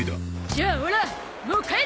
じゃあオラもう帰る！